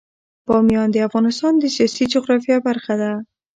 بامیان د افغانستان د سیاسي جغرافیه برخه ده.